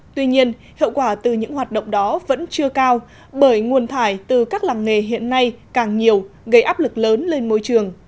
tuy nhiên hiệu quả từ những hoạt động đó vẫn chưa cao bởi nguồn thải từ các làng nghề hiện nay càng nhiều gây áp lực lớn lên môi trường